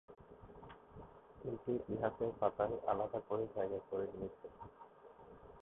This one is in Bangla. এটি ইতিহাসের পাতায় আলাদা করে জায়গা করে নিয়েছে।